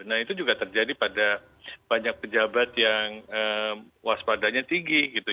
nah itu juga terjadi pada banyak pejabat yang waspadanya tinggi gitu